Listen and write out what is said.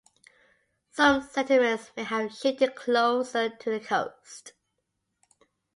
Some settlements may have shifted closer to the coast.